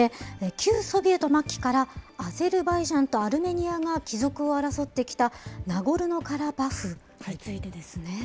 旧ソビエト末期からアゼルバイジャンとアルメニアが帰属を争ってきたナゴルノカラバフについてですね。